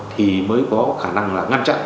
thì mới có khả năng là ngăn chặn